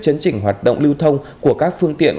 chấn chỉnh hoạt động lưu thông của các phương tiện